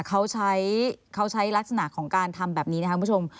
เขาใช้เขาใช้ลักษณะของการทำแบบนี้นะครับคุณผู้ชม